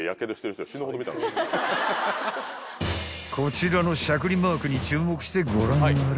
［こちらのしゃくりマークに注目してご覧あれ］